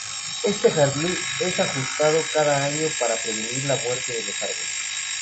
Este jardín es ajustado cada año para prevenir la muerte de los árboles.